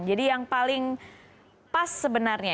jadi yang paling pas sebenarnya